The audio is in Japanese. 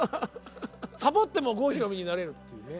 サボっても郷ひろみになれるっていうね。